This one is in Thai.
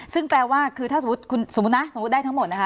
ซึ่งแปลว่าคือถ้าสมมุติได้ทั้งหมดนะคะ